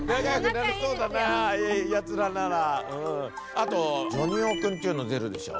あとジョニ男くんっていうの出るでしょ？